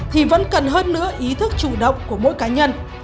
thì vẫn cần hơn nữa ý thức chủ động của mỗi cá nhân